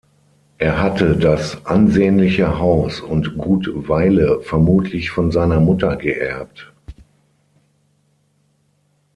Er hatte das ansehnliche Haus und Gut Weile vermutlich von seiner Mutter geerbt.